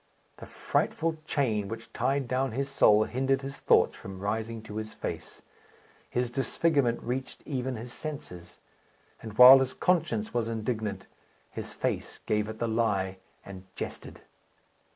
The frightful chain which tied down his soul hindered his thoughts from rising to his face. His disfigurement reached even his senses; and, while his conscience was indignant, his face gave it the lie, and jested.